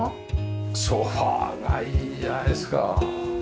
ソファがいいじゃないですか！